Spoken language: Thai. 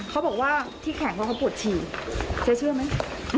เขาบอกว่าที่แขนเพราะเขาปวดฉี่เจ๊เชื่อไหม